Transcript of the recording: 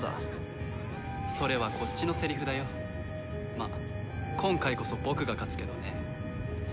まあ今回こそ僕が勝つけどね。